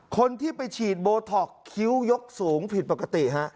คนที่ไปฉีดโบท็อกคิ้วยกสูงผิดปกติฮะ